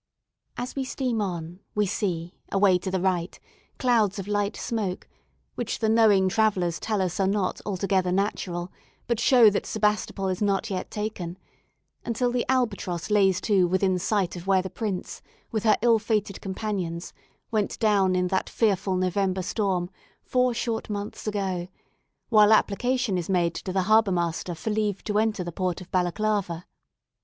As we steam on we see, away to the right, clouds of light smoke, which the knowing travellers tell us are not altogether natural, but show that Sebastopol is not yet taken, until the "Albatross" lays to within sight of where the "Prince," with her ill fated companions, went down in that fearful November storm, four short months ago, while application is made to the harbour master for leave to enter the port of Balaclava.